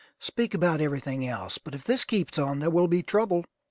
Speak about everything else; but if this keeps on there will be trouble!"